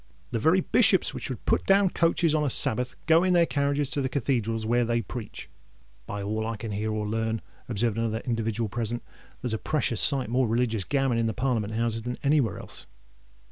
The very Bishops which would put down coaches on a Sabbath, goes in their carriages to the Cathedrals where they preach." "By all I can hear or learn," observed another individual present, "there's a precious sight more religious gammon in the Parliament Houses than anywheres else."